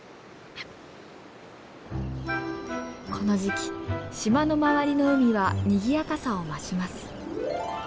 この時期島の周りの海はにぎやかさを増します。